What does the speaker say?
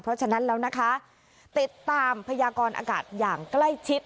เพราะฉะนั้นแล้วนะคะติดตามพยากรอากาศอย่างใกล้ชิด